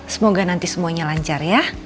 semoga nanti semuanya lancar ya